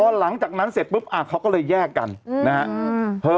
พอหลังจากนั้นเสร็จปุ๊บอ่าเขาก็เลยแยกกันอืมนะฮะเหรอ